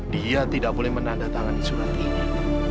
dia tidak boleh menandatangani surat ini